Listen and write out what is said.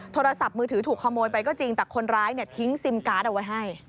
โทรศัพท์มือถือถูกขโมยไปก็จริงแต่คนร้ายเนี่ยทิ้งซิมการ์ดเอาไว้ให้